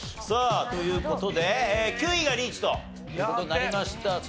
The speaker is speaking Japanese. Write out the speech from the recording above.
さあという事で９位がリーチという事になりました。